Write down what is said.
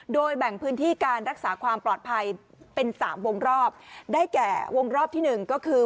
โดยแบ่งพื้นที่การรักษาความปลอดภัยเป็นสามวงรอบได้แก่วงรอบที่หนึ่งก็คือ